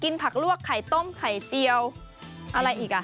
ผักลวกไข่ต้มไข่เจียวอะไรอีกอ่ะ